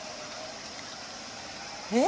「えっ？」